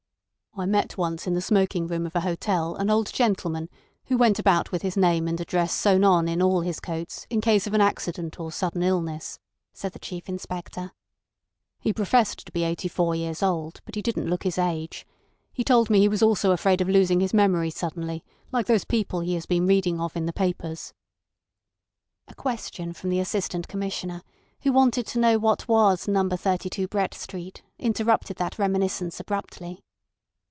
"I met once in the smoking room of a hotel an old gentleman who went about with his name and address sewn on in all his coats in case of an accident or sudden illness," said the Chief Inspector. "He professed to be eighty four years old, but he didn't look his age. He told me he was also afraid of losing his memory suddenly, like those people he has been reading of in the papers." A question from the Assistant Commissioner, who wanted to know what was No. 32 Brett Street, interrupted that reminiscence abruptly.